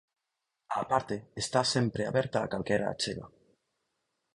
Á parte está sempre aberta a calquera achega.